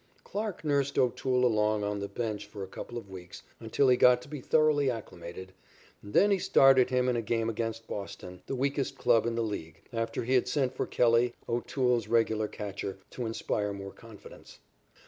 Clarke nursed O'Toole along on the bench for a couple of weeks until he got to be thoroughly acclimated, and then he started him in a game against Boston, the weakest club in the league, after he had sent for Kelly, O'Toole's regular catcher, to inspire more confidence.